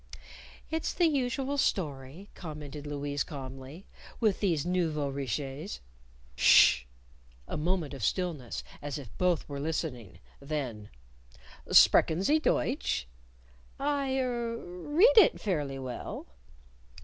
"It's the usual story," commented Louise calmly, "with these nouveaux riches." "Sh!" A moment of stillness, as if both were listening. Then, "Sprechen Sie Deutsch?" "I er read it fairly well."